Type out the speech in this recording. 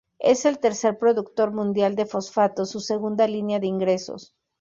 Es el tercer productor mundial de fosfatos, su segunda línea de ingresos.